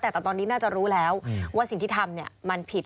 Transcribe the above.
แต่ตอนนี้น่าจะรู้แล้วว่าสิ่งที่ทำมันผิด